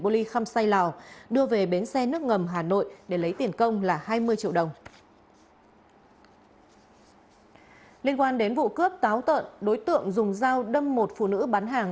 liên quan đến vụ cướp táo tợn đối tượng dùng dao đâm một phụ nữ bán hàng